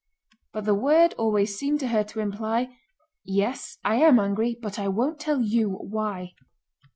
But the word always seemed to her to imply: "Yes, I am angry but I won't tell you why."